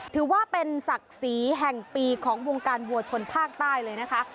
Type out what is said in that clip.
ถือว่าเป็นศักดิ์ศรีแห่งปีของวงการวัวชนภาคใต้เลยนะคะ